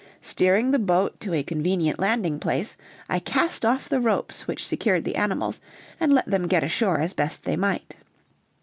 Steering the boat to a convenient landing place, I cast off the ropes which secured the animals, and let them get ashore as best they might.